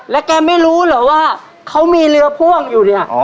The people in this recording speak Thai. แล้วแกไม่รู้เหรอว่าเขามีเรือพ่วงอยู่เนี่ย